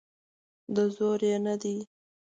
د زور یې نه دی.